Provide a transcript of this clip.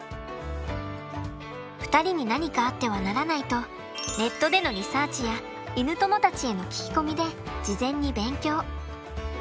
２人に何かあってはならないとネットでのリサーチや犬友たちへの聞き込みで事前に勉強。